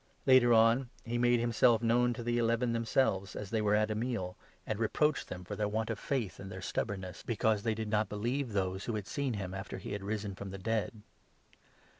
Later on, he made himself known to the 14 Eleven themselves as they were at a meal, and reproached them with their want of faith and their stubbornness, because 40 MARK, 16. they did not believe those who had seen him after he had risen from the dead.